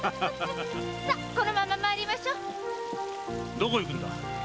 どこ行くんだ？